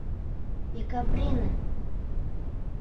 Декабрина!..